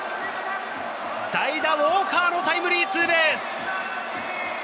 代打・ウォーカーのタイムリーツーベース！